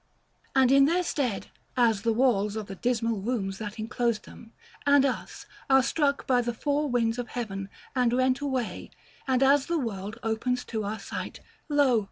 And in their stead, as the walls of the dismal rooms that enclosed them, and us, are struck by the four winds of Heaven, and rent away, and as the world opens to our sight, lo!